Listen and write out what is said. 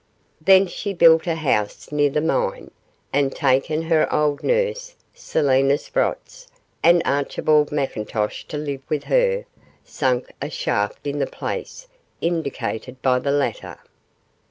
Then she built a house near the mine, and taking her old nurse, Selina Sprotts, and Archibald McIntosh to live with her, sank a shaft in the place indicated by the latter.